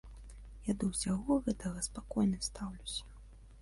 Я да ўсяго гэтага спакойна стаўлюся.